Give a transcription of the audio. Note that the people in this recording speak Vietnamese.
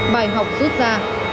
bài học rút ra